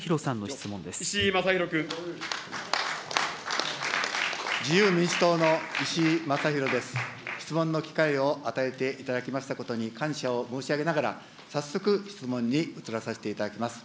質問の機会を与えていただきましたことに感謝を申し上げながら、早速、質問に移らさせていただきます。